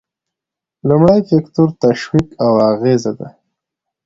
لومړی فکتور تشویق او اغیزه ده.